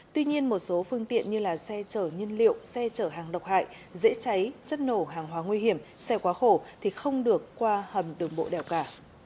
tuy nhiên một số phương tiện như xe chở nhân liệu xe chở hàng độc hại dễ cháy chất nổ hàng hóa nguy hiểm xe quá khổ thì không được qua hầm đường bộ đèo cả